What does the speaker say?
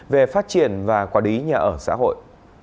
về phát triển và quản lý nhà ở xã hội